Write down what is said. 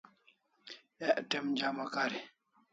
Ek te'm jama kari